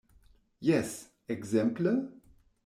Jes; ekzemple?